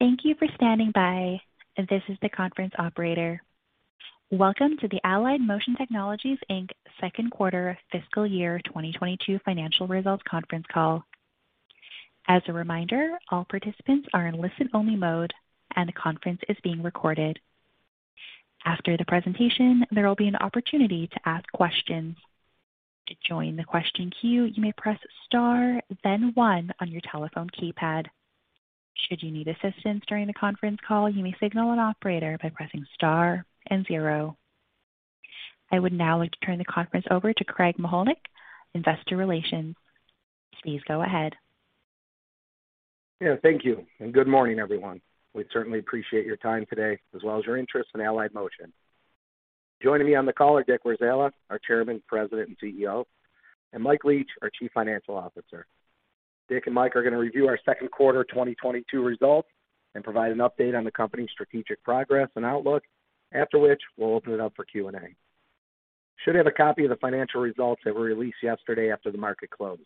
Thank you for standing by. This is the conference operator. Welcome to the Allied Motion Technologies, Inc. second quarter fiscal year 2022 financial results conference call. As a reminder, all participants are in listen-only mode, and the conference is being recorded. After the presentation, there will be an opportunity to ask questions. To join the question queue, you may press star then one on your telephone keypad. Should you need assistance during the conference call, you may signal an operator by pressing star and zero. I would now like to turn the conference over to Craig Mychajluk, Investor Relations. Please go ahead. Yeah, thank you, and good morning, everyone. We certainly appreciate your time today as well as your interest in Allied Motion. Joining me on the call are Dick Warzala, our Chairman, President, and CEO, and Mike Leach, our Chief Financial Officer. Dick and Mike are gonna review our second quarter 2022 results and provide an update on the company's strategic progress and outlook. After which, we'll open it up for Q&A. You should have a copy of the financial results that were released yesterday after the market closed.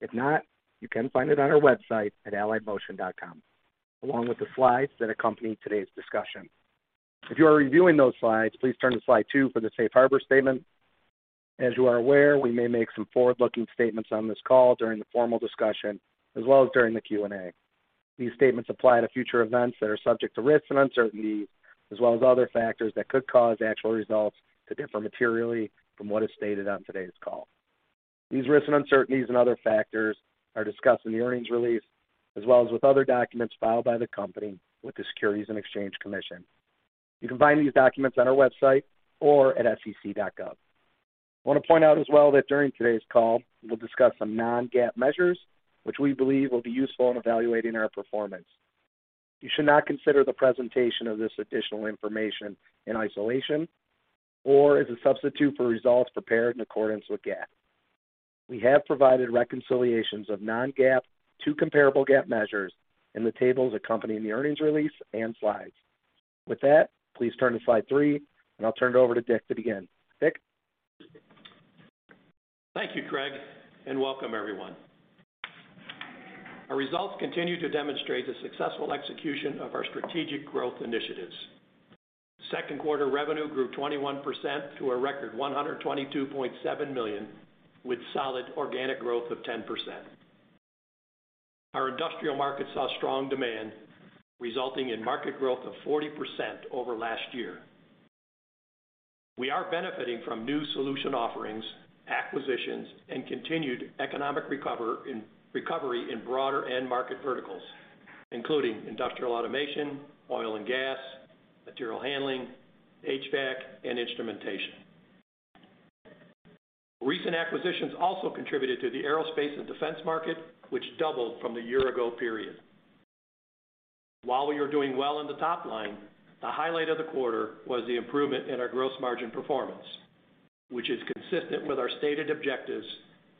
If not, you can find it on our website at alliedmotion.com, along with the slides that accompany today's discussion. If you are reviewing those slides, please turn to slide 2 for the safe harbor statement. As you are aware, we may make some forward-looking statements on this call during the formal discussion, as well as during the Q&A. These statements apply to future events that are subject to risks and uncertainties, as well as other factors that could cause actual results to differ materially from what is stated on today's call. These risks and uncertainties and other factors are discussed in the earnings release, as well as in other documents filed by the company with the Securities and Exchange Commission. You can find these documents on our website or at sec.gov. I wanna point out as well that during today's call, we'll discuss some non-GAAP measures which we believe will be useful in evaluating our performance. You should not consider the presentation of this additional information in isolation or as a substitute for results prepared in accordance with GAAP. We have provided reconciliations of non-GAAP to comparable GAAP measures in the tables accompanying the earnings release and slides. With that, please turn to slide 3, and I'll turn it over to Dick to begin. Dick? Thank you, Craig, and welcome everyone. Our results continue to demonstrate the successful execution of our strategic growth initiatives. Second quarter revenue grew 21% to a record $122.7 million, with solid organic growth of 10%. Our industrial market saw strong demand, resulting in market growth of 40% over last year. We are benefiting from new solution offerings, acquisitions, and continued economic recovery in broader end market verticals, including industrial automation, oil and gas, material handling, HVAC, and instrumentation. Recent acquisitions also contributed to the aerospace and defense market, which doubled from the year ago period. While we are doing well in the top line, the highlight of the quarter was the improvement in our gross margin performance, which is consistent with our stated objectives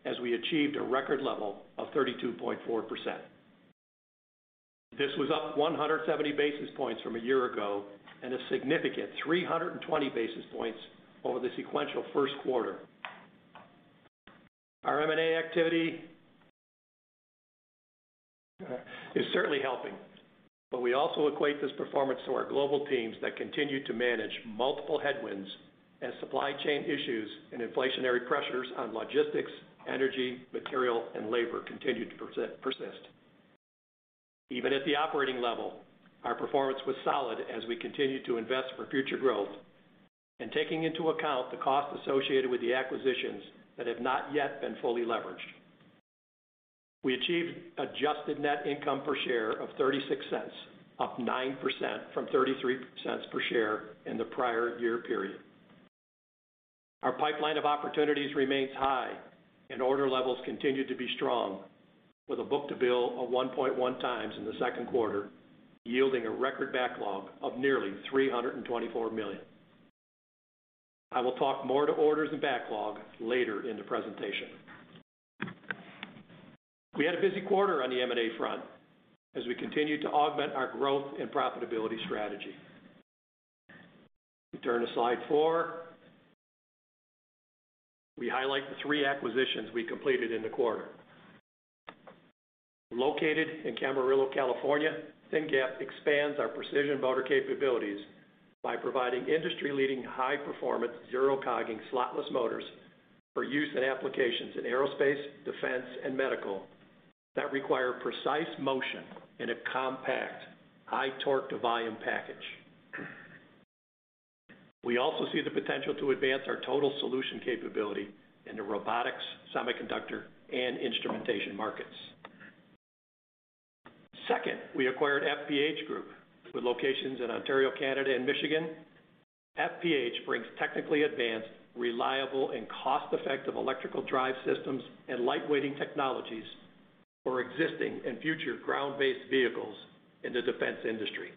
as we achieved a record level of 32.4%. This was up 170 basis points from a year ago and a significant 320 basis points over the sequential first quarter. Our M&A activity is certainly helping, but we also equate this performance to our global teams that continue to manage multiple headwinds as supply chain issues and inflationary pressures on logistics, energy, material, and labor continue to persist. Even at the operating level, our performance was solid as we continued to invest for future growth and taking into account the cost associated with the acquisitions that have not yet been fully leveraged. We achieved adjusted net income per share of $0.36, up 9% from $0.33 per share in the prior year period. Our pipeline of opportunities remains high and order levels continue to be strong with a book-to-bill of 1.1x in the second quarter, yielding a record backlog of nearly $324 million. I will talk more to orders and backlog later in the presentation. We had a busy quarter on the M&A front as we continued to augment our growth and profitability strategy. If we turn to slide 4, we highlight the three acquisitions we completed in the quarter. Located in Camarillo, California, ThinGap expands our precision motor capabilities by providing industry-leading high performance zero-cogging slotless motors for use in applications in Aerospace, Defense, and Medical that require precise motion in a compact high torque-to-volume package. We also see the potential to advance our total solution capability into robotics, semiconductor, and instrumentation markets. Second, we acquired FPH Group with locations in Ontario, Canada, and Michigan. FPH brings technically advanced, reliable, and cost-effective electrical drive systems and light weighting technologies for existing and future ground-based vehicles in the defense industry.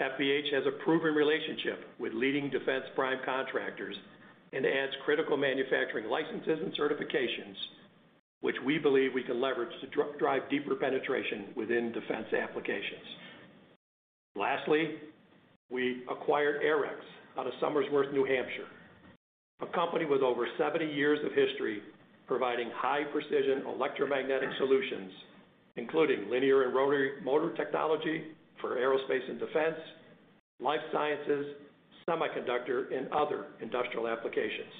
FPH has a proven relationship with leading defense prime contractors and adds critical manufacturing licenses and certifications, which we believe we can leverage to drive deeper penetration within defense applications. Lastly, we acquired Airex out of Somersworth, New Hampshire, a company with over 70 years of history, providing high precision electromagnetic solutions, including linear and rotary motor technology for Aerospace and Defense, life sciences, semiconductor, and other industrial applications.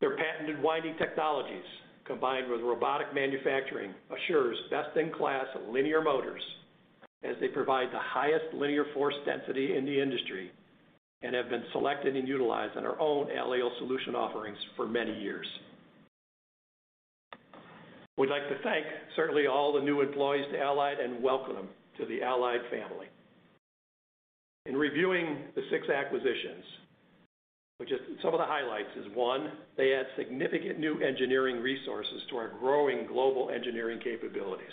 Their patented winding technologies, combined with robotic manufacturing, assures best in class linear motors as they provide the highest linear force density in the industry and have been selected and utilized in our own LEO solution offerings for many years. We'd like to thank certainly all the new employees to Allied and welcome them to the Allied family. In reviewing the six acquisitions, which is some of the highlights, is one, they add significant new engineering resources to our growing global engineering capabilities.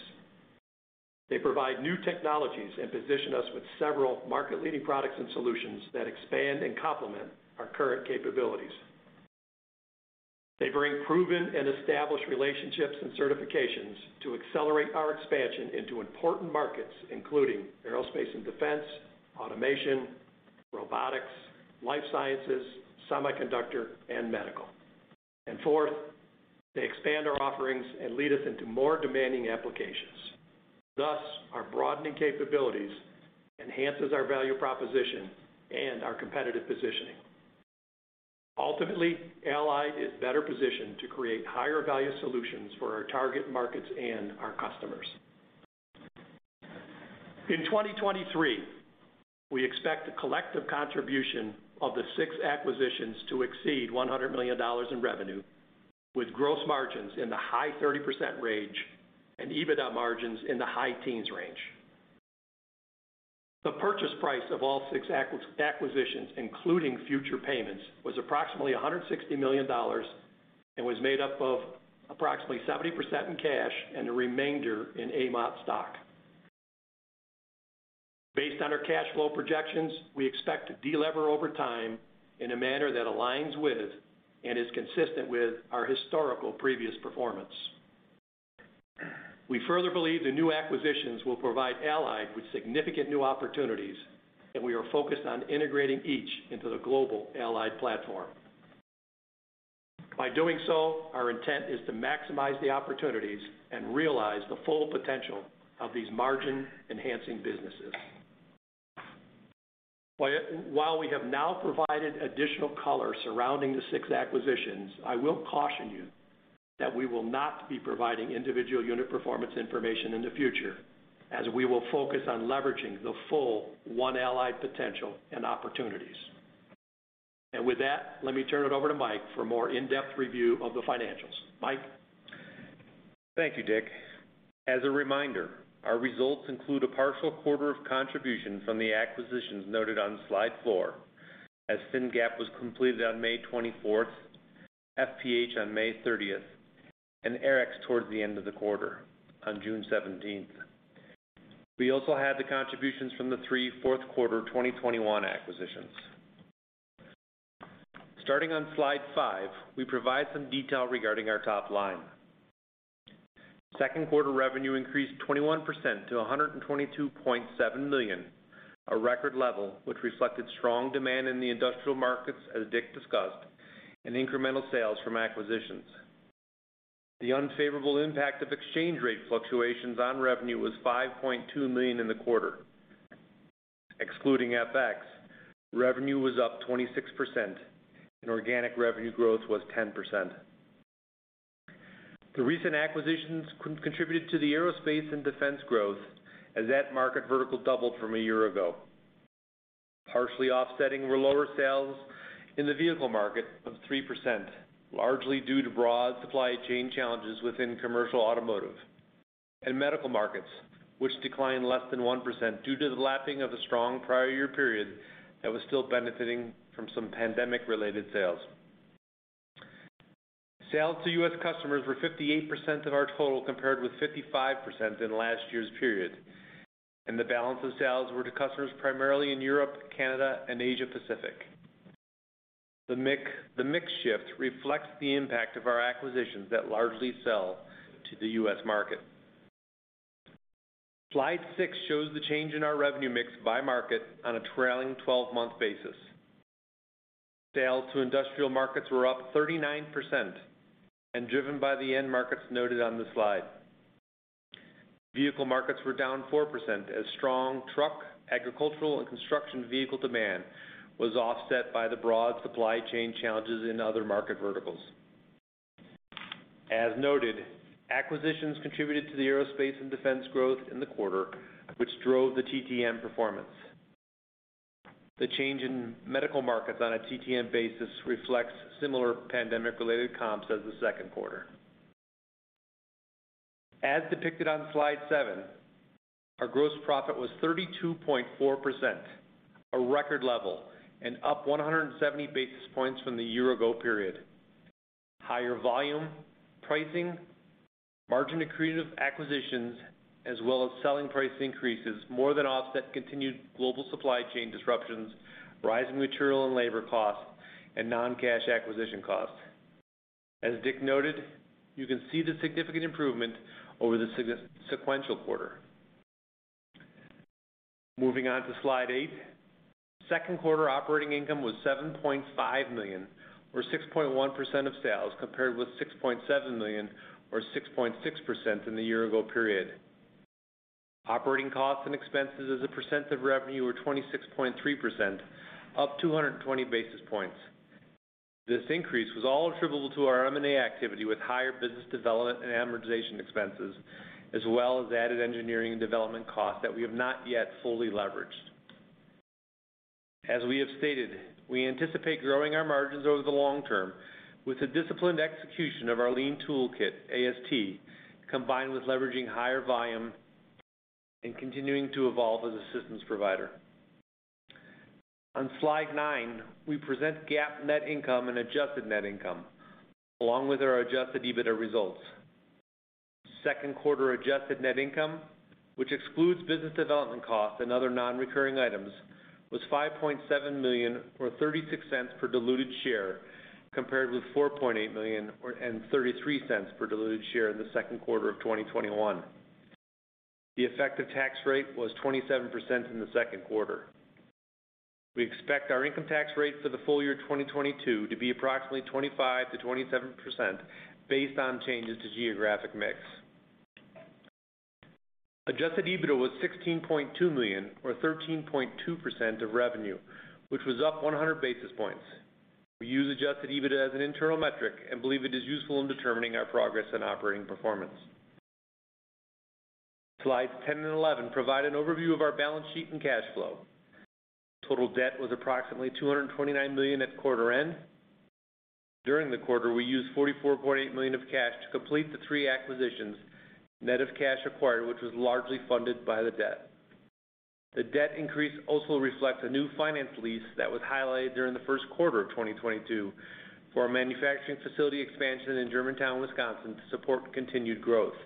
They provide new technologies and position us with several market-leading products and solutions that expand and complement our current capabilities. They bring proven and established relationships and certifications to accelerate our expansion into important markets, including aerospace and defense, automation, robotics, life sciences, semiconductor, and medical. Fourth, they expand our offerings and lead us into more demanding applications. Thus, our broadening capabilities enhances our value proposition and our competitive positioning. Ultimately, Allied is better positioned to create higher value solutions for our target markets and our customers. In 2023, we expect the collective contribution of the six acquisitions to exceed $100 million in revenue, with gross margins in the high 30% range and EBITDA margins in the high teens range. The purchase price of all six acquisitions, including future payments, was approximately $160 million and was made up of approximately 70% in cash and the remainder in AMOT stock. Based on our cash flow projections, we expect to delever over time in a manner that aligns with and is consistent with our historical previous performance. We further believe the new acquisitions will provide Allied with significant new opportunities, and we are focused on integrating each into the global Allied platform. By doing so, our intent is to maximize the opportunities and realize the full potential of these margin-enhancing businesses. While we have now provided additional color surrounding the six acquisitions, I will caution you that we will not be providing individual unit performance information in the future as we will focus on leveraging the full One Allied potential and opportunities. With that, let me turn it over to Mike for a more in-depth review of the financials. Mike? Thank you, Dick. As a reminder, our results include a partial quarter of contribution from the acquisitions noted on slide 4. As ThinGap was completed on May 24th, FPH on May 30th, and Airex towards the end of the quarter on June 17th. We also had the contributions from the three fourth quarter 2021 acquisitions. Starting on slide 5, we provide some detail regarding our top line. Second quarter revenue increased 21% to $122.7 million, a record level which reflected strong demand in the industrial markets as Dick discussed, and incremental sales from acquisitions. The unfavorable impact of exchange rate fluctuations on revenue was $5.2 million in the quarter. Excluding FX, revenue was up 26% and organic revenue growth was 10%. The recent acquisitions contributed to the Aerospace and Defense growth as that market vertical doubled from a year ago. Partially offsetting were lower sales in the vehicle market of 3%, largely due to broad supply chain challenges within commercial, automotive, and medical markets, which declined less than 1% due to the lapping of the strong prior year period that was still benefiting from some pandemic-related sales. Sales to U.S. customers were 58% of our total, compared with 55% in last year's period, and the balance of sales were to customers primarily in Europe, Canada, and Asia Pacific. The mix shift reflects the impact of our acquisitions that largely sell to the U.S. market. Slide 6 shows the change in our revenue mix by market on a trailing 12-month basis. Sales to industrial markets were up 39% and driven by the end markets noted on the slide. Vehicle markets were down 4% as strong truck, agricultural, and construction vehicle demand was offset by the broad supply chain challenges in other market verticals. As noted, acquisitions contributed to the Aerospace and Defense growth in the quarter, which drove the TTM performance. The change in medical markets on a TTM basis reflects similar pandemic-related comps as the second quarter. As depicted on slide 7, our gross profit was 32.4%, a record level, and up 170 basis points from the year ago period. Higher volume pricing, margin accretive acquisitions, as well as selling price increases more than offset continued global supply chain disruptions, rising material and labor costs, and non-cash acquisition costs. As Dick noted, you can see the significant improvement over the prior sequential quarter. Moving on to slide 8. Second quarter operating income was $7.5 million, or 6.1% of sales, compared with $6.7 million or 6.6% in the year ago period. Operating costs and expenses as a percent of revenue were 26.3%, up 220 basis points. This increase was all attributable to our M&A activity with higher business development and amortization expenses, as well as added engineering and development costs that we have not yet fully leveraged. As we have stated, we anticipate growing our margins over the long term with the disciplined execution of our lean toolkit, AST, combined with leveraging higher volume and continuing to evolve as a systems provider. On slide 9, we present GAAP net income and adjusted net income, along with our adjusted EBITDA results. Second quarter adjusted net income, which excludes business development costs and other non-recurring items, was $5.7 million or $0.36 per diluted share, compared with $4.8 million or $0.33 per diluted share in the second quarter of 2021. The effective tax rate was 27% in the second quarter. We expect our income tax rate for the full year 2022 to be approximately 25%-27% based on changes to geographic mix. Adjusted EBITDA was $16.2 million or 13.2% of revenue, which was up 100 basis points. We use adjusted EBITDA as an internal metric and believe it is useful in determining our progress and operating performance. Slides 10 and 11 provide an overview of our balance sheet and cash flow. Total debt was approximately $229 million at quarter end. During the quarter, we used $44.8 million of cash to complete the three acquisitions, net of cash acquired, which was largely funded by the debt. The debt increase also reflects a new finance lease that was highlighted during the first quarter of 2022 for our manufacturing facility expansion in Germantown, Wisconsin, to support continued growth.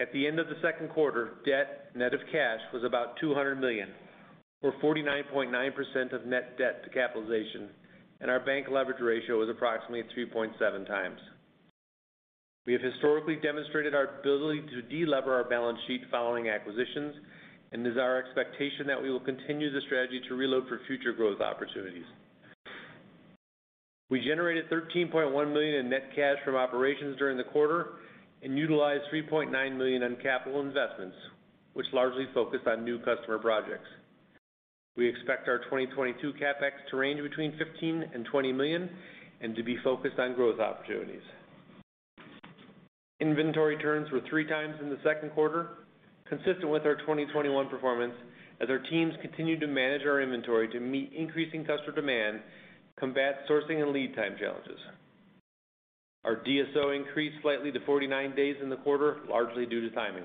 At the end of the second quarter, debt net of cash was about $200 million or 49.9% of net debt to capitalization, and our bank leverage ratio was approximately 3.7x. We have historically demonstrated our ability to delever our balance sheet following acquisitions, and it is our expectation that we will continue the strategy to reload for future growth opportunities. We generated $13.1 million in net cash from operations during the quarter and utilized $3.9 million on capital investments, which largely focused on new customer projects. We expect our 2022 CapEx to range between $15 million and $20 million and to be focused on growth opportunities. Inventory turns were 3x in the second quarter, consistent with our 2021 performance as our teams continued to manage our inventory to meet increasing customer demand, combat sourcing and lead time challenges. Our DSO increased slightly to 49 days in the quarter, largely due to timing.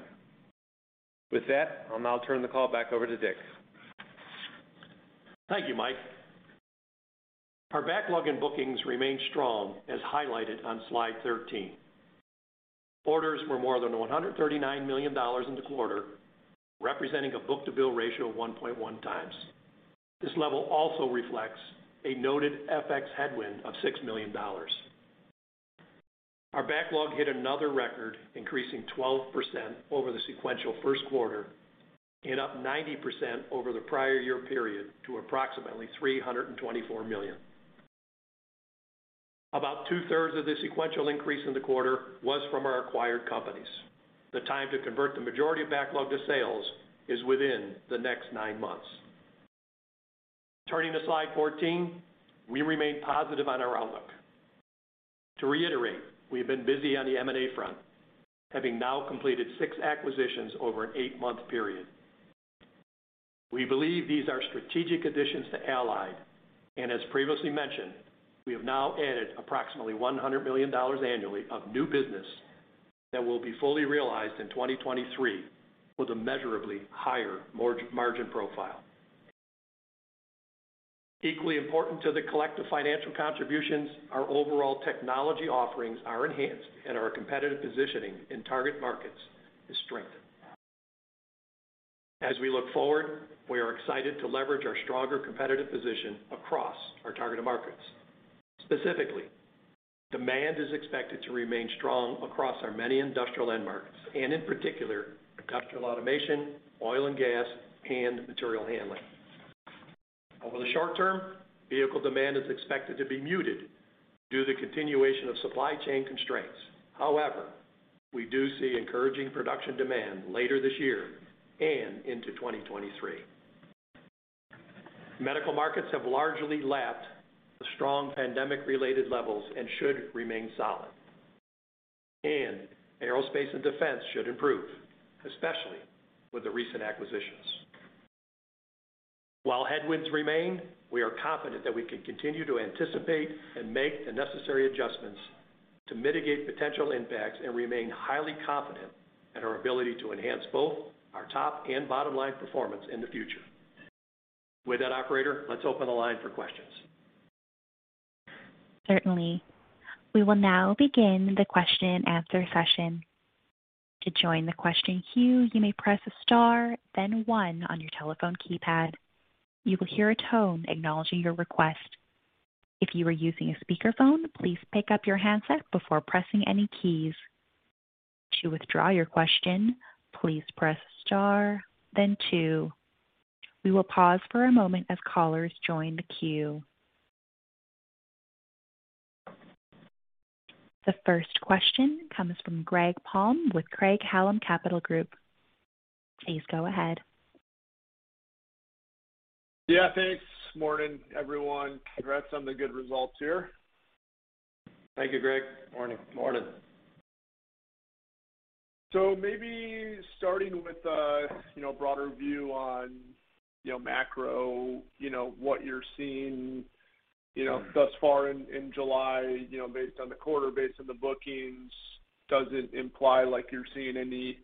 With that, I'll now turn the call back over to Dick. Thank you, Mike. Our backlog in bookings remained strong, as highlighted on slide 13. Orders were more than $139 million in the quarter, representing a book-to-bill ratio of 1.1x. This level also reflects a noted FX headwind of $6 million. Our backlog hit another record, increasing 12% over the sequential first quarter and up 90% over the prior year period to approximately $324 million. About 2/3s of the sequential increase in the quarter was from our acquired companies. The time to convert the majority of backlog to sales is within the next nine months. Turning to slide 14, we remain positive on our outlook. To reiterate, we have been busy on the M&A front, having now completed six acquisitions over an eight-month period. We believe these are strategic additions to Allied, and as previously mentioned, we have now added approximately $100 million annually of new business that will be fully realized in 2023 with a measurably higher margin profile. Equally important to the collective financial contributions, our overall technology offerings are enhanced and our competitive positioning in target markets is strengthened. As we look forward, we are excited to leverage our stronger competitive position across our targeted markets. Specifically, demand is expected to remain strong across our many industrial end markets, and in particular industrial automation, oil and gas, and material handling. Over the short term, vehicle demand is expected to be muted due to continuation of supply chain constraints. However, we do see encouraging production demand later this year and into 2023. Medical markets have largely lapped the strong pandemic-related levels and should remain solid. Aerospace and Defense should improve, especially with the recent acquisitions. While headwinds remain, we are confident that we can continue to anticipate and make the necessary adjustments to mitigate potential impacts, and remain highly confident in our ability to enhance both our top and bottom line performance in the future. With that, operator, let's open the line for questions. Certainly. We will now begin the question and answer session. To join the question queue, you may press star then one on your telephone keypad. You will hear a tone acknowledging your request. If you are using a speakerphone, please pick up your handset before pressing any keys. To withdraw your question, please press star then two. We will pause for a moment as callers join the queue. The first question comes from Greg Palm with Craig-Hallum Capital Group. Please go ahead. Yeah, thanks. Morning, everyone. Congrats on the good results here. Thank you, Greg. Morning. Morning. Maybe starting with a you know broader view on you know macro you know what you're seeing you know thus far in July you know based on the quarter based on the bookings does it imply like you're seeing any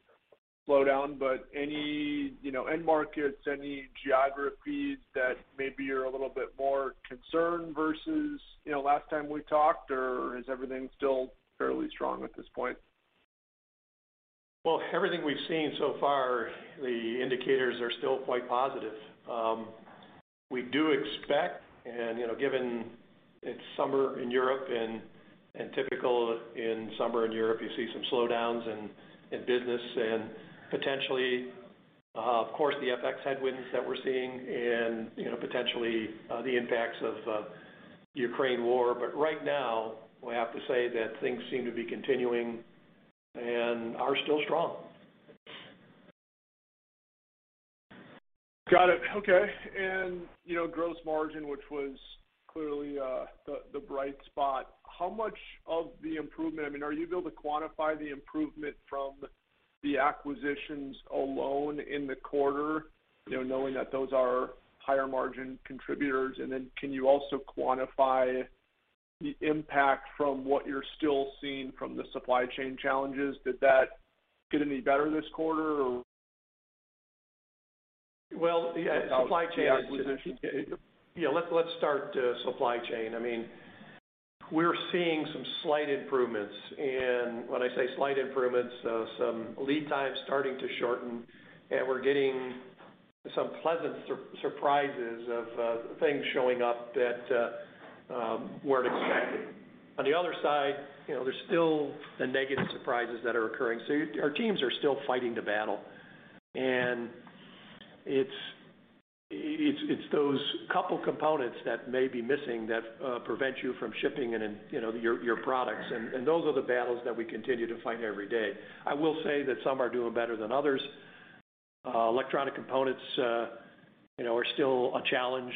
slowdown but any you know end markets any geographies that maybe you're a little bit more concerned versus you know last time we talked or is everything still fairly strong at this point? Well, everything we've seen so far, the indicators are still quite positive. We do expect and, you know, given it's summer in Europe and typical in summer in Europe, you see some slowdowns in business and potentially, of course, the FX headwinds that we're seeing and, you know, potentially, the impacts of Ukraine war. Right now, we have to say that things seem to be continuing and are still strong. Got it. Okay. You know, gross margin, which was clearly the bright spot. How much of the improvement, I mean, are you able to quantify the improvement from the acquisitions alone in the quarter, you know, knowing that those are higher margin contributors? Can you also quantify the impact from what you're still seeing from the supply chain challenges? Did that get any better this quarter, or? Well, yeah, supply chain. Yeah, let's start supply chain. I mean, we're seeing some slight improvements, and when I say slight improvements, some lead times starting to shorten, and we're getting some pleasant surprises of things showing up that weren't expected. On the other side, you know, there's still the negative surprises that are occurring. Our teams are still fighting the battle. It's those couple components that may be missing that prevent you from shipping and then, you know, your products. Those are the battles that we continue to fight every day. I will say that some are doing better than others. Electronic components, you know, are still a challenge,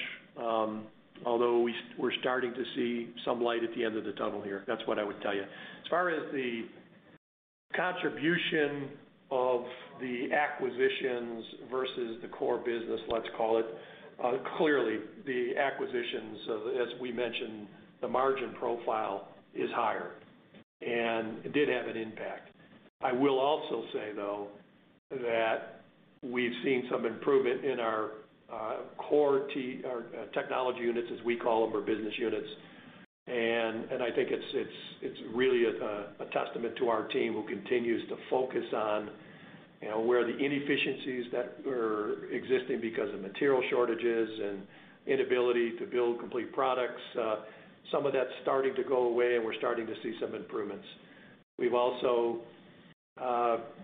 although we're starting to see some light at the end of the tunnel here. That's what I would tell you. As far as the contribution of the acquisitions versus the core business, let's call it, clearly, the acquisitions, as we mentioned, the margin profile is higher and did have an impact. I will also say, though, that we've seen some improvement in our core or technology units, as we call them, or business units. I think it's really a testament to our team who continues to focus on, you know, where the inefficiencies that are existing because of material shortages and inability to build complete products. Some of that's starting to go away and we're starting to see some improvements. We've also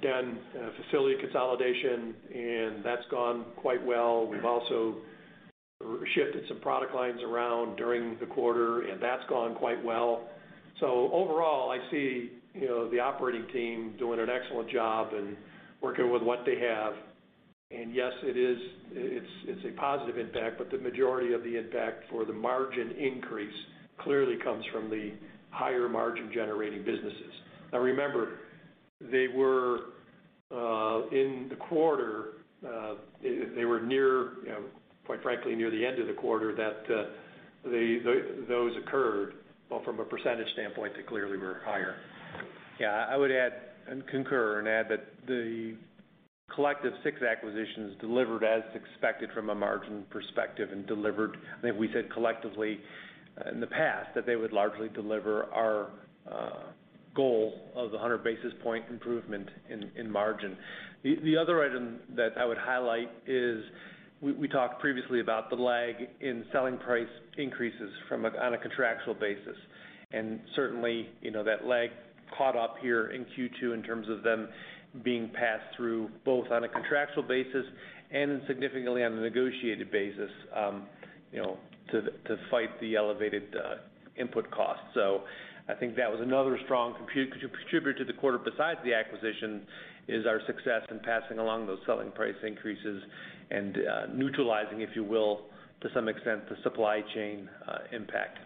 done facility consolidation, and that's gone quite well. We've also shifted some product lines around during the quarter, and that's gone quite well. Overall, I see, you know, the operating team doing an excellent job and working with what they have. Yes, it's a positive impact, but the majority of the impact for the margin increase clearly comes from the higher margin generating businesses. Now remember, they were near, you know, quite frankly, near the end of the quarter that those occurred. Well, from a percentage standpoint, they clearly were higher. Yeah. I would add and concur and add that the collective six acquisitions delivered as expected from a margin perspective and delivered, I think we said collectively in the past, that they would largely deliver our goal of the 100 basis point improvement in margin. The other item that I would highlight is we talked previously about the lag in selling price increases from a contractual basis. Certainly, you know, that lag caught up here in Q2 in terms of them being passed through both on a contractual basis and significantly on a negotiated basis, you know, to fight the elevated input costs. I think that was another strong contributor to the quarter besides the acquisition is our success in passing along those selling price increases and, neutralizing, if you will, to some extent, the supply chain impact.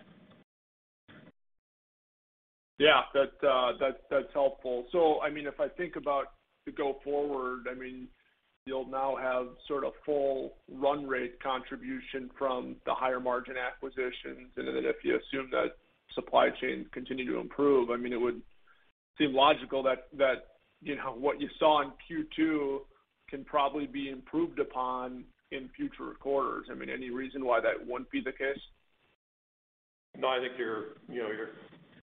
Yeah. That's helpful. I mean, if I think about the go forward, I mean, you'll now have sort of full run rate contribution from the higher margin acquisitions. Then if you assume that supply chains continue to improve, I mean, it would seem logical that you know, what you saw in Q2 can probably be improved upon in future quarters. I mean, any reason why that wouldn't be the case? No, I think you're, you know, you're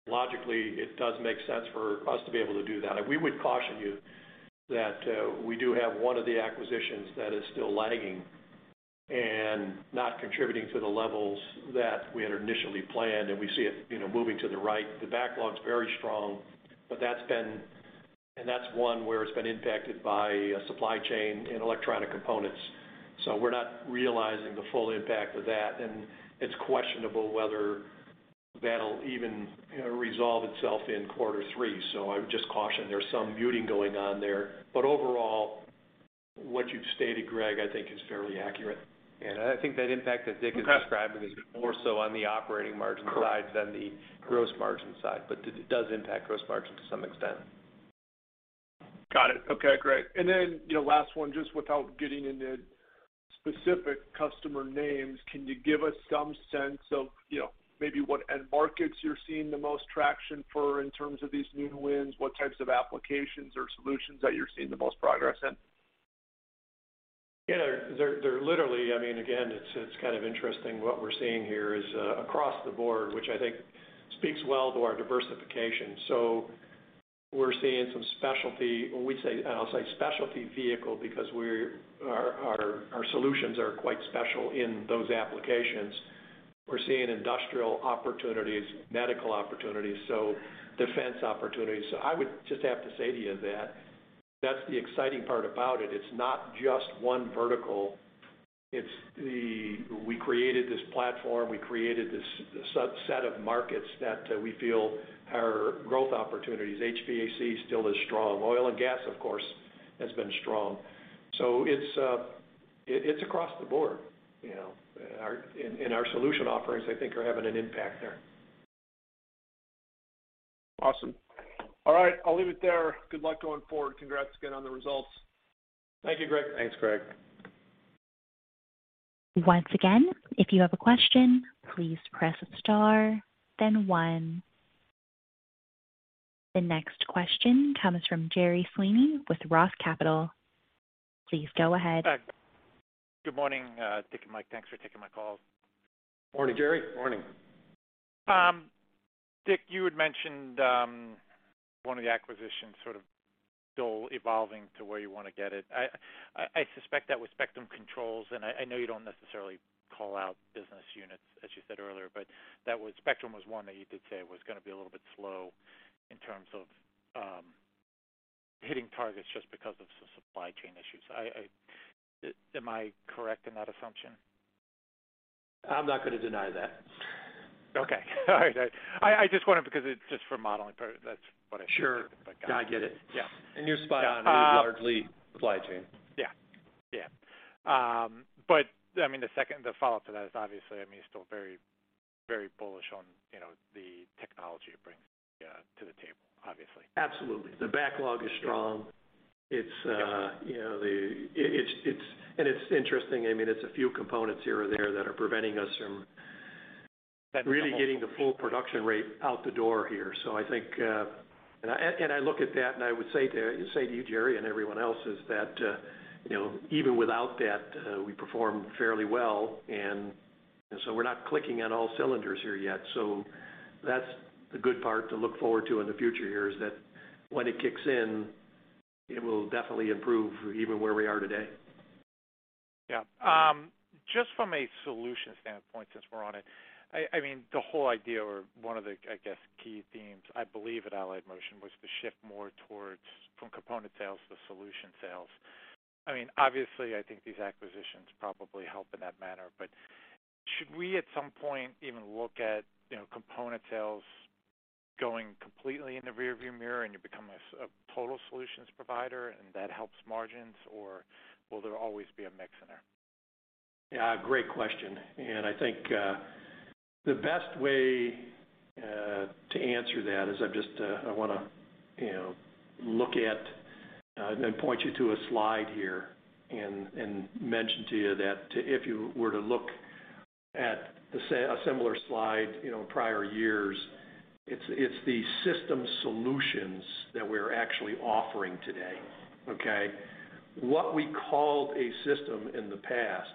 logically it does make sense for us to be able to do that. We would caution you that we do have one of the acquisitions that is still lagging and not contributing to the levels that we had initially planned, and we see it, you know, moving to the right. The backlog is very strong, but that's one where it's been impacted by supply chain and electronic components. So we're not realizing the full impact of that, and it's questionable whether that'll even resolve itself in quarter three. So I would just caution there's some muting going on there. Overall, what you've stated, Greg, I think is fairly accurate. I think that impact that Dick is describing is more so on the operating margin side than the gross margin side, but it does impact gross margin to some extent. Got it. Okay, great. Then, you know, last one, just without getting into specific customer names, can you give us some sense of, you know, maybe what end markets you're seeing the most traction for in terms of these new wins, what types of applications or solutions that you're seeing the most progress in? Yeah. They're literally I mean, again, it's kind of interesting. What we're seeing here is across the board, which I think speaks well to our diversification. We're seeing some specialty. When we say, I'll say specialty vehicle because our solutions are quite special in those applications. We're seeing industrial opportunities, medical opportunities, so defense opportunities. I would just have to say to you that that's the exciting part about it. It's not just one vertical. We created this platform. We created this set of markets that we feel are growth opportunities. HVAC still is strong. Oil and gas, of course, has been strong. It's across the board, you know. Our solution offerings, I think are having an impact there. Awesome. All right, I'll leave it there. Good luck going forward. Congrats again on the results. Thank you, Greg. Thanks, Greg. Once again, if you have a question, please press star then one. The next question comes from Gerry Sweeney with ROTH Capital. Please go ahead. Good morning, Dick and Mike. Thanks for taking my call. Morning, Gerry. Morning. Dick, you had mentioned one of the acquisitions sort of still evolving to where you want to get it. I suspect that with Spectrum Controls, and I know you don't necessarily call out business units, as you said earlier, but that was Spectrum one that you did say was going to be a little bit slow in terms of hitting targets just because of some supply chain issues. Am I correct in that assumption? I'm not going to deny that. Okay. All right. I just wonder because it's just for modeling purposes. That's what I'm sure. Sure. No, I get it. Yeah. You're spot on. It is largely supply chain. Yeah. I mean, the second, the follow-up to that is obviously, I mean, still very, very bullish on, you know, the technology it brings to the table, obviously. Absolutely. The backlog is strong. It's, you know, it's interesting. I mean, it's a few components here or there that are preventing us from really getting the full production rate out the door here. I think, and I look at that and I would say to you, Gerry, and everyone else is that, you know, even without that, we perform fairly well. We're not clicking on all cylinders here yet. That's the good part to look forward to in the future here is that when it kicks in, it will definitely improve even where we are today. Yeah. Just from a solution standpoint, since we're on it, I mean, the whole idea or one of the, I guess, key themes, I believe at Allied Motion was to shift more towards from component sales to solution sales. I mean, obviously, I think these acquisitions probably help in that manner. But should we at some point even look at, you know, component sales going completely in the rearview mirror and you become a total solutions provider and that helps margins, or will there always be a mix in there? Yeah, great question. I think the best way to answer that is I've just I wanna you know look at then point you to a slide here and mention to you that if you were to look at a similar slide you know in prior years it's the system solutions that we're actually offering today, okay? What we called a system in the past,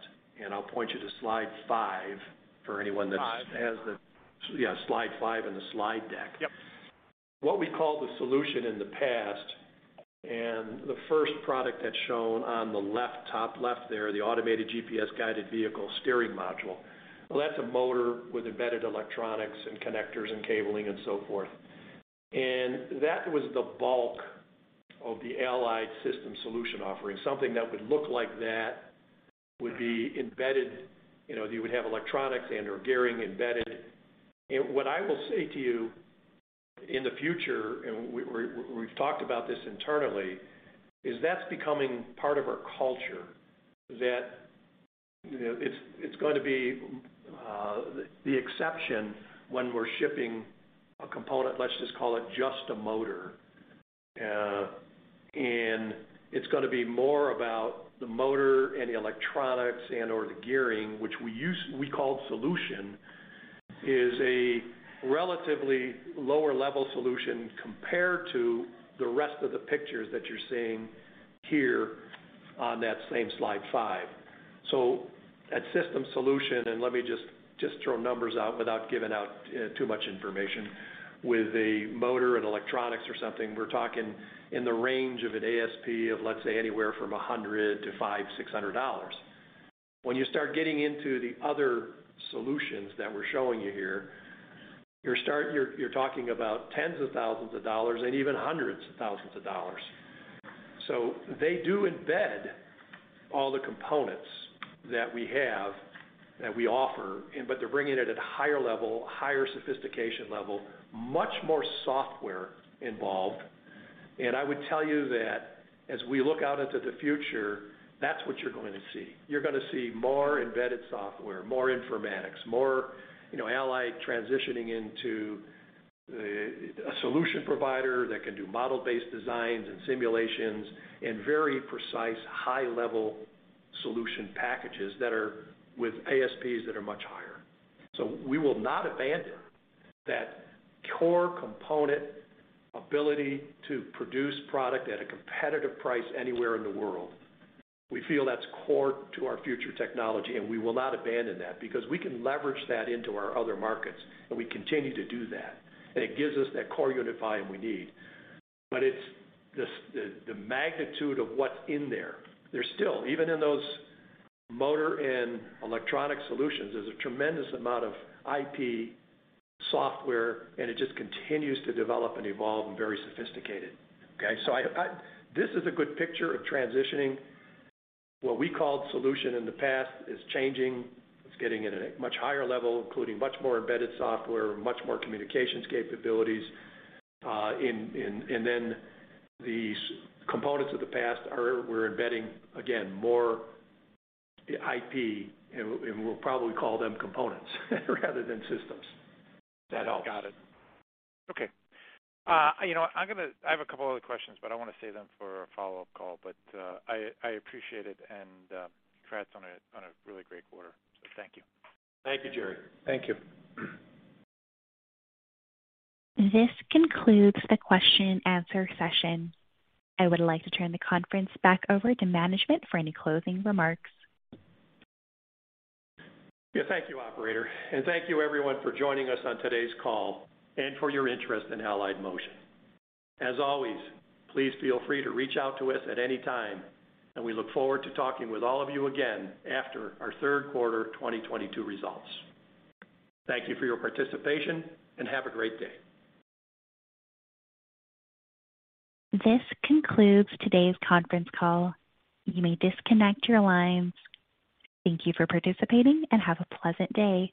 and I'll point you to slide 5 for anyone that 5. Yeah, slide 5 in the slide deck. Yep. What we call the solution in the past and the first product that's shown on the left, top left there, the automated GPS-guided vehicle steering module. Well, that's a motor with embedded electronics and connectors and cabling and so forth. That was the bulk of the Allied system solution offering. Something that would look like that would be embedded. You know, you would have electronics and/or gearing embedded. What I will say to you in the future, and we've talked about this internally, is that's becoming part of our culture. That, you know, it's gonna be the exception when we're shipping a component, let's just call it just a motor. It's gonna be more about the motor and the electronics and/or the gearing, which we called solution, is a relatively lower level solution compared to the rest of the pictures that you're seeing here. On that same slide 5. At system solution, let me just throw numbers out without giving out too much information. With a motor and electronics or something, we're talking in the range of an ASP of, let's say, anywhere from $100-$500 or $600. When you start getting into the other solutions that we're showing you here, you're talking about tens of thousands of dollars and even hundreds of thousands of dollars. They do embed all the components that we have, that we offer, but they're bringing it at a higher level, higher sophistication level, much more software involved. I would tell you that as we look out into the future, that's what you're going to see. You're gonna see more embedded software, more informatics, more, you know, Allied transitioning into a solution provider that can do model-based designs and simulations and very precise high-level solution packages that are with ASPs that are much higher. We will not abandon that core component ability to produce product at a competitive price anywhere in the world. We feel that's core to our future technology, and we will not abandon that because we can leverage that into our other markets and we continue to do that. It gives us that core unit volume we need. It's the magnitude of what's in there. There's still, even in those motor and electronic solutions, there's a tremendous amount of IP software, and it just continues to develop and evolve and very sophisticated. Okay, this is a good picture of transitioning what we called solution in the past is changing. It's getting at a much higher level, including much more embedded software, much more communications capabilities, and then these components of the past are, we're embedding, again, more IP and we'll probably call them components rather than systems. If that helps. Got it. Okay. You know, I have a couple other questions, but I wanna save them for a follow-up call. I appreciate it and congrats on a really great quarter. Thank you. Thank you, Gerry. Thank you. This concludes the question and answer session. I would like to turn the conference back over to management for any closing remarks. Yeah, thank you, operator, and thank you everyone for joining us on today's call and for your interest in Allied Motion. As always, please feel free to reach out to us at any time, and we look forward to talking with all of you again after our third quarter 2022 results. Thank you for your participation, and have a great day. This concludes today's conference call. You may disconnect your lines. Thank you for participating and have a pleasant day.